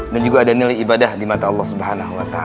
dan juga ada nilai ibadah di mata allah swt